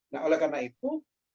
nah oleh karena itu